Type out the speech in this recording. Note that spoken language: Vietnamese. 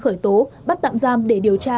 khởi tố bắt tạm giam để điều tra